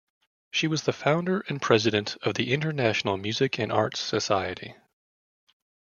She was the founder and President of the International Music and Arts Society.